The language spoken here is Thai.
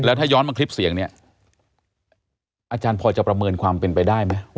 ถ้าย้อนมาคลิปเสียงเนี่ยอาจารย์พอจะประเมินความเป็นไปได้ไหม